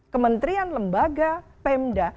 kementrian lembaga pemda